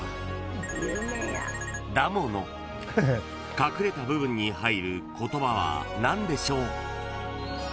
［隠れた部分に入る言葉は何でしょう？］